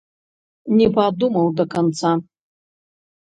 Не падумаў да канца.